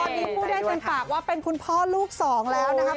ตอนนี้พูดได้จนปากว่าเป็นคุณพ่อลูกสองแล้วนะครับ